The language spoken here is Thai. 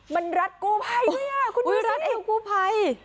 มันรัดกูภัยนี่คุณดูสิโอ้ยรัดถึงกูภัย